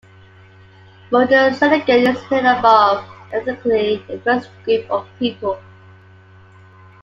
Modern Senegal is made up of an ethnically diverse group of people.